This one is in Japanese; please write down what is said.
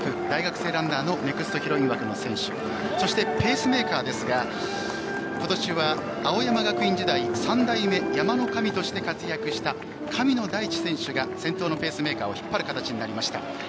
大学生ランナーのネクストヒロイン枠の選手そしてペースメーカーですが今年は青山学院時代３代目山の神として活躍した神野大地選手が先頭のペースメーカーを引っ張る形になりました。